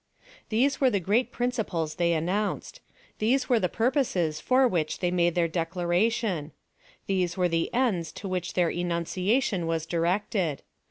These were the great principles they announced; these were the purposes for which they made their declaration; these were the ends to which their enunciation was directed.